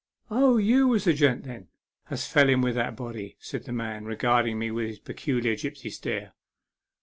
" Oh, was you the gent, then, as fell in with that body ?" said the man, regarding me with his peculiar gipsy stare.